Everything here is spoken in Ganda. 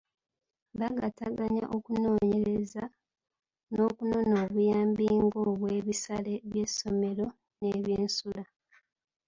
Baagattaganya okunoonyereza n’okunona obuyambi gamba ng’obwebisale by’essomero n’ebyensula.